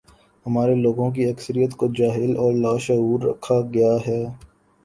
ہمارے لوگوں کی اکثریت کو جاہل اور لاشعور رکھا گیا ہے۔